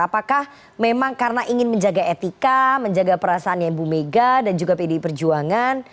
apakah memang karena ingin menjaga etika menjaga perasaannya ibu mega dan juga pdi perjuangan